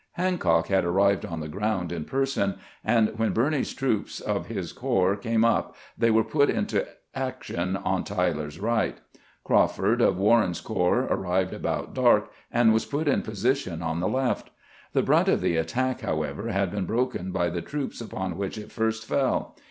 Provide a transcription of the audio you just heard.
128 CAMPAIGNING WITH GRANT Hancock had arrived on the ground in person, and when Birney's troops of his corps came np they were put into action on Tyler's right. Crawford, of Warren's corps, arrived about dark, and was put in position on the left. The brunt of the attack, however, had been broken by the troops upon which it first fell.